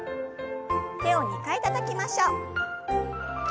手を２回たたきましょう。